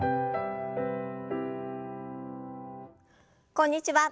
こんにちは。